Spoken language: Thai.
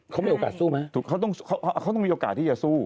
เขามีโอกาสสู้ไหมเขาต้องมีโอกาสที่จะสู้